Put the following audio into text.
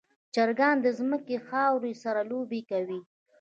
چرګان د ځمکې خاورې سره لوبې کوي.